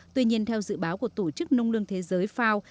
tuy nhiên theo dự báo của tổ chức nông lương thế giới fao